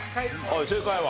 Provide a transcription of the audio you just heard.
正解は？